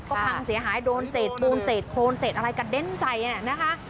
ก็พังเสียหายโดนเศษปูนเศษโครนเศษอะไรกระเด้นใจนะคะ